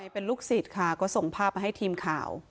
เป็นลูกศิษย์ค่ะก็ส่งภาพมาให้ทีมข่าว